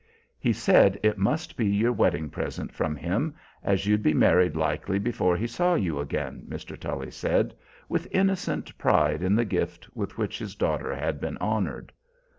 "He said it must be your wedding present from him, as you'd be married likely before he saw you again," Mr. Tully said, with innocent pride in the gift with which his daughter had been honored.